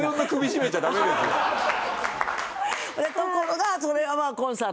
ところがそれをコンサートで言うた。